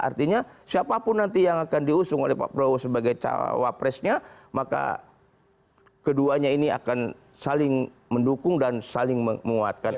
artinya siapapun nanti yang akan diusung oleh pak prabowo sebagai cawapresnya maka keduanya ini akan saling mendukung dan saling menguatkan